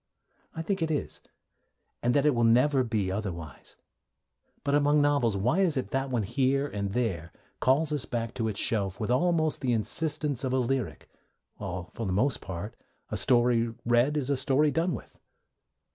I think it is, and that it will never be otherwise. But, among novels, why is it that one here and there calls us back to its shelf with almost the insistence of a lyric, while for the most part a story read is a story done with?